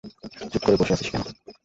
চুপ করে বসে আছিস কেন?